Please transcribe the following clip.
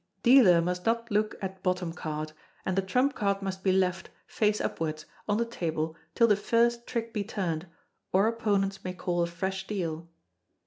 Dealer must not look at bottom card; and the trump card must be left, face upwards, on the table till the first trick be turned, or opponents may call a fresh deal.